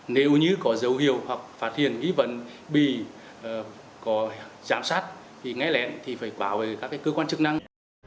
nếu như có dấu hiệu hoặc phát hiện ghi vấn bì có giám sát thì nghe lẽn thì phải bảo vệ các cơ quan chức năng